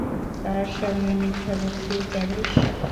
কার সামনে মিথ্যা বলছিস জানিস?